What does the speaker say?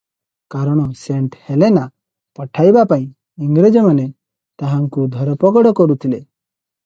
କାରଣ Saint Helena ପଠାଇବା ପାଇଁ ଇଂରେଜମାନେ ତାହାଙ୍କୁ ଧରପଗଡ଼ କରୁଥିଲେ ।